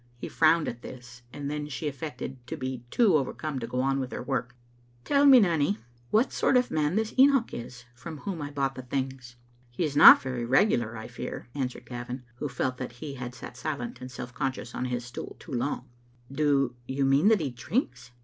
He frowned at this, and then she affected to be too overcome to go on with her work. "Tell me, Nanny," she asked presently, "what sort of man this Enoch is, from whom I bought the things?" "He is not very regular, I fear," answered Gavin, who felt that he had sat silent and self conscious on his stool too long, " Do you mean that he drinks?"